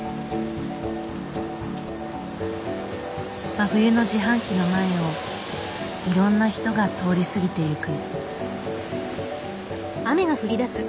真冬の自販機の前をいろんな人が通り過ぎていく。